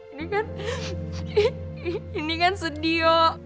ini kan ini kan sedih yo